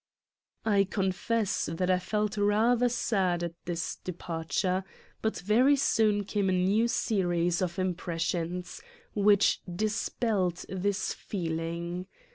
I confess that I felt rather sad at this departure but very soon came a new series of impressions, which dispelled this feeling.